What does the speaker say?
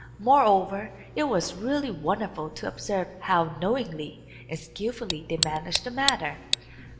Moreover, it was really wonderful to observe how knowingly and skilfully they managed the matter.